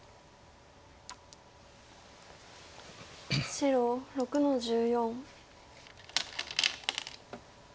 白６の十四。